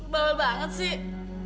balel banget sih